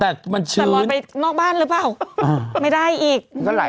แต่มันชื้นแต่รอดไปนอกบ้านหรือเปล่าไม่ได้อีก